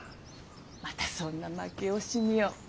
またそんな負け惜しみを。